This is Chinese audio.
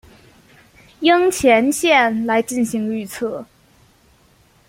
樱前线来进行预测。